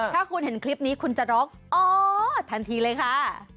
ถ้าคุณเห็นคลิปนี้คุณจะร้องอ๋อทันทีเลยค่ะ